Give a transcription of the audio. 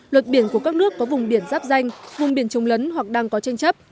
luật biển của các nước có vùng biển giáp danh